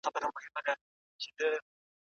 د ټېکنالوژۍ په مرسته سږې ژر معاینه کېږي.